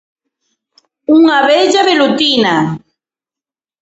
Unha abella velutina.